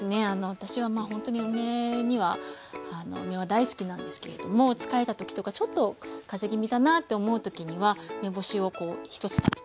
私はまあほんとに梅は大好きなんですけれども疲れた時とかちょっと風邪気味だなと思う時には梅干しをこう１つ食べて。